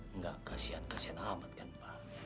enggak kasihan kasihan amat kan mbah